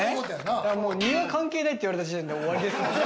庭関係ないって言われた時点で終わりですよ。